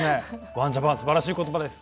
ワン・ジャパンすばらしい言葉です。